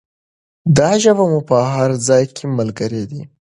دا ژبه مو په هر ځای کې ملګرې ده.